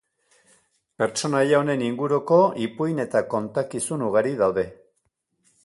Pertsonaia honen inguruko ipuin eta kontakizun ugari daude.